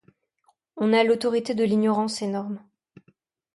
On a l'autorité de l'ignorance énorme ;